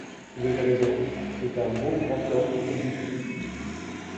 Vous avez raison, c'est un beau grand homme au-dessus de tout.